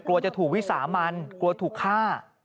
กลัวจะถูกวิสามันกลัวถูกฆ่า